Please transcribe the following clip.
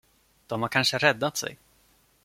De har kanske räddat sig.